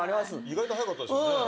意外と速かったですよね。